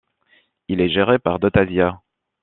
Il est géré par DotAsia.